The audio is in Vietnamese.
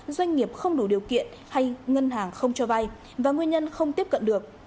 doanh nghiệp không đủ điều kiện hay ngân hàng không cho vay và nguyên nhân không tiếp cận được